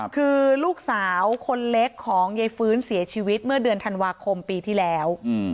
คือลูกสาวคนเล็กของยายฟื้นเสียชีวิตเมื่อเดือนธันวาคมปีที่แล้ว